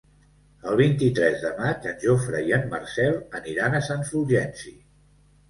El vint-i-tres de maig en Jofre i en Marcel aniran a Sant Fulgenci.